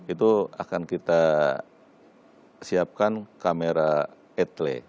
itu akan kita siapkan kamera etle